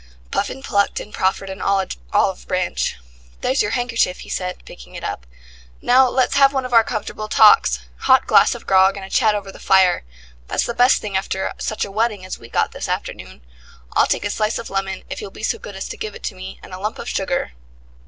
Puffin plucked and proffered an olive branch. "There's your handkerchief," he said, picking it up. "Now let's have one of our comfortable talks. Hot glass of grog and a chat over the fire: that's the best thing after such a wetting as we got this afternoon. I'll take a slice of lemon, if you'll be so good as to give it me, and a lump of sugar."